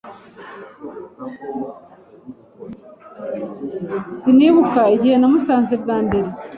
Sinibuka igihe namusanze bwa mbere.